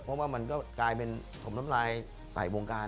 เพราะว่ามันก็กลายเป็นถมน้ำลายใส่วงการ